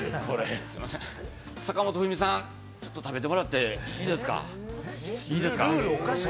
坂本冬美さん、ちょっと食べてもらっていいですか。